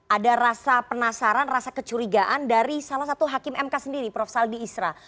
ada rasa penasaran rasa kecurigaan dari salah satu hakim mk sendiri prof saldi isra